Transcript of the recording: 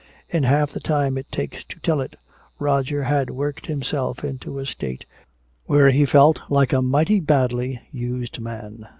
In half the time it takes to tell it, Roger had worked himself into a state where he felt like a mighty badly used man.